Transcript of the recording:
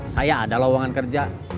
saya ada lawangan kerja